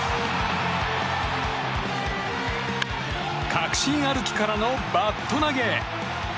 確信歩きからのバット投げ。